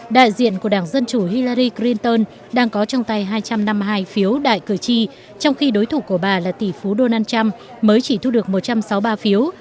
đại diện của đảng dân chủ hillari crinton đang có trong tay hai trăm năm mươi hai phiếu đại cử tri trong khi đối thủ của bà là tỷ phú donald trump mới chỉ thu được một trăm sáu mươi ba phiếu